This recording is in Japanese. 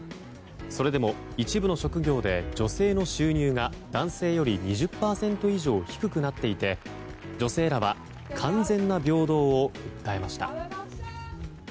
それでも一部の職業で女性の収入が男性より２０％以上低くなっていて女性らは完全な平等を訴えました。